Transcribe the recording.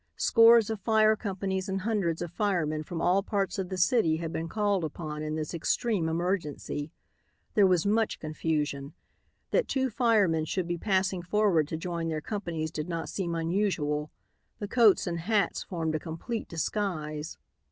Scores of fire companies and hundreds of firemen from all parts of the city had been called upon in this extreme emergency. There was much confusion. That two firemen should be passing forward to join their companies did not seem unusual. The coats and hats formed a complete disguise.